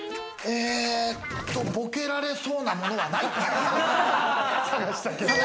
ボケけられそうなものはない。